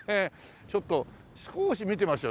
ちょっと少し見てましょう。